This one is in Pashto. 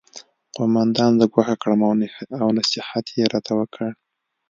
قومندان زه ګوښه کړم او نصیحت یې راته وکړ